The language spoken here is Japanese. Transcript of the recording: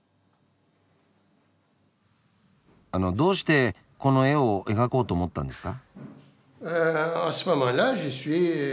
あのどうしてこの絵を描こうと思ったんですか？